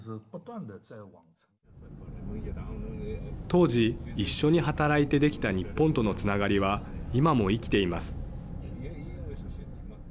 当時、一緒に働いてできた日本とのつながりは今も生きています。